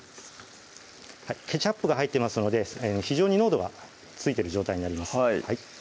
ケチャップが入っていますので非常に濃度がついてる状態になります